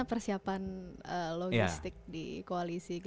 untuk penerbangan logistik di koalisi